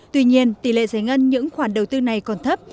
tuy nhiên tỷ lệ giải ngân những khoản đầu tư này còn thấp